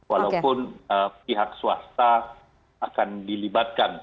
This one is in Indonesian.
walaupun pihak swasta akan dilibatkan